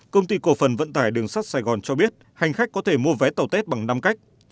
công ty cổ phần vận tải đường sắt sài gòn cho biết hành khách có thể mua vé tàu tết bằng năm cách